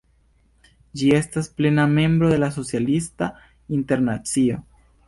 Ĝi estas plena membro de la Socialista Internacio.